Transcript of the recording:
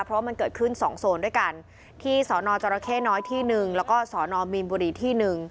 เพราะว่ามันเกิดขึ้น๒โซนด้วยกันที่สนจรเข้น้อยที่๑แล้วก็สนมีนบุรีที่๑